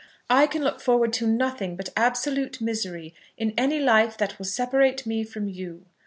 I can look forward to nothing but absolute misery in any life that will separate me from you.